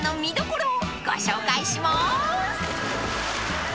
［ご紹介しまーす］